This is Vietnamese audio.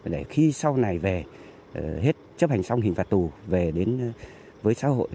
để khi sau này về hết chấp hành xong hình phạt tù về đến với xã hội